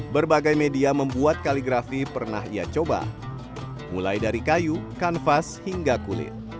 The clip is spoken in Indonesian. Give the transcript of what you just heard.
berbagai media membuat kaligrafi pernah ia coba mulai dari kayu kanvas hingga kulit